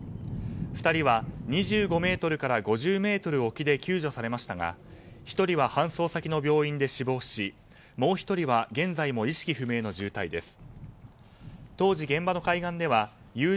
２人は、２５ｍから５０ｍ沖で救助されましたが１人は搬送先の病院で死亡しもう１人は現在も意識不明の重体です。